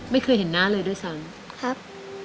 ไม่เคยเห็นหน้าเลยด้วยซ้ำครับ